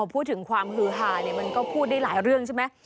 พูดถึงความฮือหาเนี่ยมันก็พูดได้หลายเรื่องใช่ไหม